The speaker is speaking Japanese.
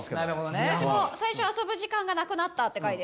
私も最初「遊ぶ時間がなくなった」って書いてて。